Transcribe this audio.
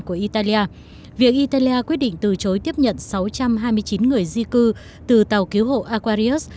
của italia việc italia quyết định từ chối tiếp nhận sáu trăm hai mươi chín người di cư từ tàu cứu hộ aquarius